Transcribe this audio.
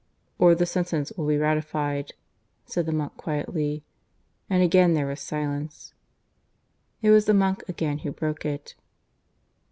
"Or the sentence will be ratified," said the monk quietly. And again there was silence. It was the monk again who broke it.